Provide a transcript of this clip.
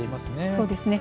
そうですね。